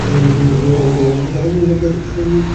এ অবস্থায় খালেদ মোশাররফ তাঁদের বুড়িচং থানা আক্রমণে পাঠান।